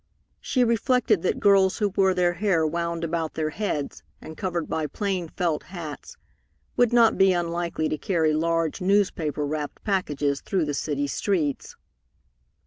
She reflected that girls who wore their hair wound about their heads and covered by plain felt hats would not be unlikely to carry large newspaper wrapped packages through the city streets.